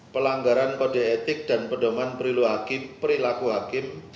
pelanggaran kode etik dan pedoman perilaku hakim